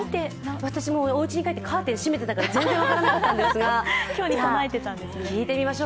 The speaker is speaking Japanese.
おうちに帰ってカーテン閉めてたから全然分からなかったんですが、聞いてみましょう。